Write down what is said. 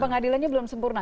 pengadilannya belum sempurna